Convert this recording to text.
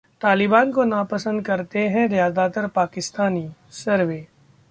तालिबान को नापसंद करते हैं ज्यादातर पाकिस्तानी: सर्वे